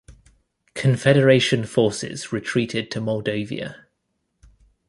Confederation forces retreated to Moldavia.